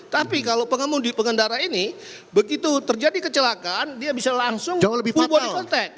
tapi kalau pengemudi pengendara ini begitu terjadi kecelakaan dia bisa langsung full body contact